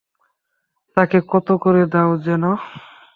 তাকে কতো করে দাও যেনো?